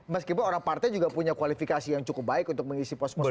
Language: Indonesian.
meskipun orang partai juga punya kualifikasi yang cukup baik untuk mengisi pos pos